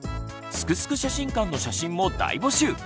「すくすく写真館」の写真も大募集。